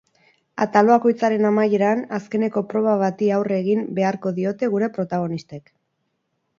Atal bakoitzaren amaieran, azkeneko proba bati aurre egin beharko diote gure protagonistek.